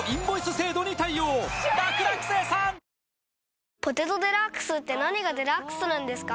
ええ「ポテトデラックス」って何がデラックスなんですか？